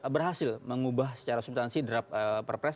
berhasil mengubah secara substansi draft perpres